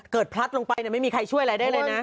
เกิดพลัดลงไปเนี่ยไม่มีใครช่วยอะไรได้เลยนะ